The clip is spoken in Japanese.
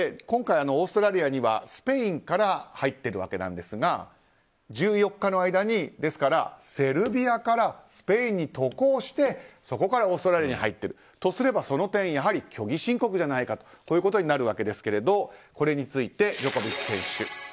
今回、オーストラリアにはスペインから入っているわけなんですが１４日の間に、ですからセルビアからスペインに渡航してそこからオーストラリアに入っているとすればその点やはり虚偽申告じゃないかとこういうことになるわけですがこれについてジョコビッチ選手